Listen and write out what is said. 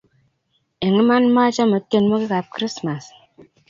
eng' iman machome tyenwokikab krismas